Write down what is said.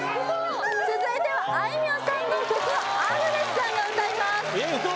続いてはあいみょんさんの曲をアグネスさんが歌いますえウソ！？